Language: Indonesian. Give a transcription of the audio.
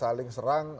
tidak saling serang